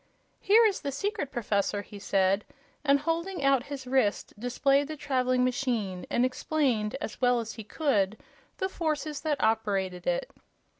"Here is the secret, Professor," he said, and holding out his wrist displayed the traveling machine and explained, as well as he could, the forces that operated it.